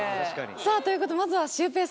さぁということでまずはシュウペイさん。